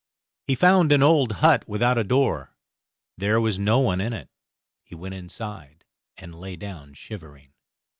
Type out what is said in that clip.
He found an old hut without a door. There was no one in it; he went inside, and lay down shivering.